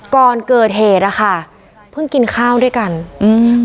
ก่อนเกิดเหตุอ่ะค่ะเพิ่งกินข้าวด้วยกันอืม